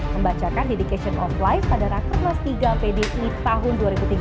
membacakan dedication of life pada rakernas tiga pdi tahun dua ribu tiga belas